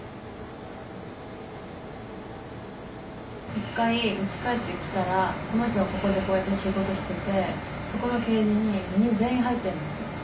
一回うち帰ってきたらこの人がここでこうやって仕事しててそこのケージに全員入ってるんですよね。